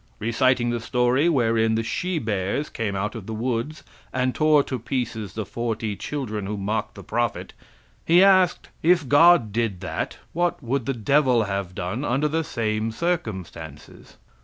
Reciting the story wherein the she bears came out of the woods and tore to pieces the forty children who mocked the prophet, he asked: If God did that, what would the devil have done under the same circumstances?